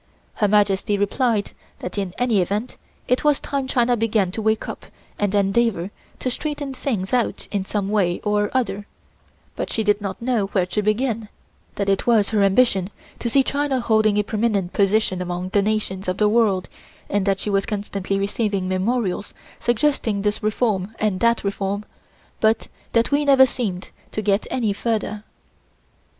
Her Majesty replied that in any event it was time China began to wake up and endeavor to straighten things out in some way or other, but she did not know where to begin; that it was her ambition to see China holding a prominent position among the nations of the world and that she was constantly receiving memorials suggesting this reform and that reform, but that we never seemed to get any further.